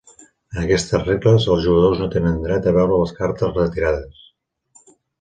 En aquestes regles, els jugadors no tenen dret a veure les cartes retirades.